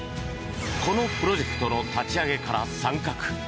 このプロジェクトの立ち上げから参画。